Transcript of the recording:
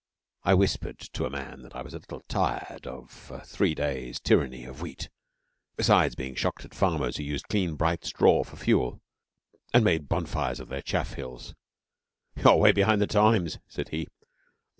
I whispered to a man that I was a little tired of a three days' tyranny of Wheat, besides being shocked at farmers who used clean bright straw for fuel, and made bonfires of their chaff hills. 'You're 'way behind the times,' said he.